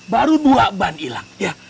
baru dua ban hilang